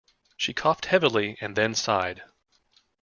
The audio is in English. She coughed heavily and then sighed.